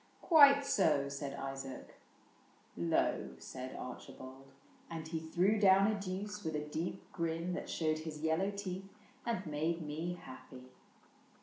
*' Quite so," said Isaac. —" Low," said Archi bald; And he threw down a deuce with a deep grin That showed his yellow teeth and made me happy.